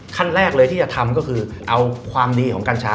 ขั้นแรกเลยที่จะทำก็คือเอาความดีของกัญชา